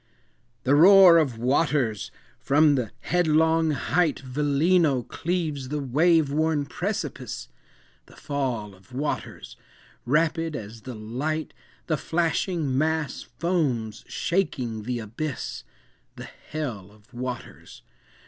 "The roar of waters!—from the headlong height Velino cleaves the wave worn precipice; The fall of waters! rapid as the light The flashing mass foams shaking the abyss; The hell of waters!